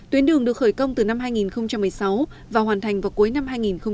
tuyến đường được khởi công từ năm hai nghìn một mươi sáu và hoàn thành vào cuối năm hai nghìn một mươi bảy